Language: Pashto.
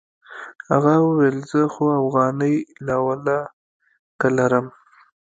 هغه وويل زه خو اوغانۍ لا ولله که لرم.